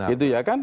itu ya kan